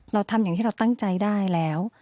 เราทำอย่างที่เราตั้งใจได้แล้ว